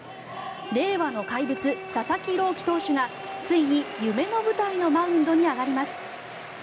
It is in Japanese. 令和の怪物、佐々木朗希投手がついに夢の舞台のマウンドに上がります。